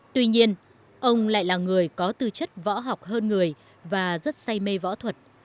tuy nhiên ông lại là người có tư chất võ học hơn người và rất say mê võ thuật